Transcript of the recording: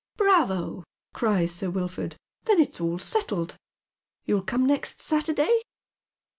" Bravo !" cries Sir Wilford ;" then it's all settled. You'll come next Saturday